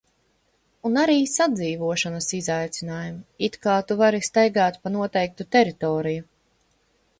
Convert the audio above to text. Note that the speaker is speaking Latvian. Un arī sadzīvošanas izaicinājumi. It kā tu vari staigāt pa noteiktu teritoriju.